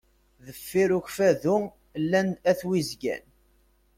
Deffir ukfadu llan at wizgan.